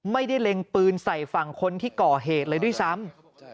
เล็งปืนใส่ฝั่งคนที่ก่อเหตุเลยด้วยซ้ำ